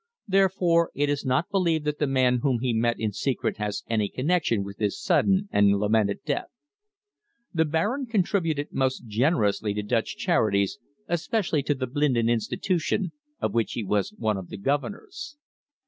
Therefore it is not believed that the man whom he met in secret has any connexion with his sudden and lamented death. The Baron contributed most generously to Dutch charities, especially to the Blinden Institution, of which he was one of the governors.